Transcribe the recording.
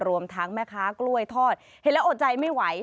รวมทั้งแม่ค้ากล้วยทอดเห็นแล้วอดใจไม่ไหว